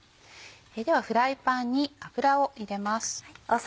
ではフライパンに油を入れます。